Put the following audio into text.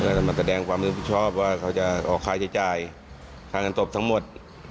จะมาแสดงความรับผิดชอบว่าเขาจะออกค่าใช้จ่ายค่าเงินศพทั้งหมด